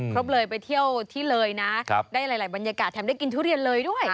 ครบเลยไปเที่ยวที่เลยนะได้หลายบรรยากาศแถมได้กินทุเรียนเลยด้วย